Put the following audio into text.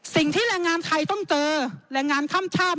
สิ่งที่แรงงานไทยต้องเจอแรงงานข้ามชาติ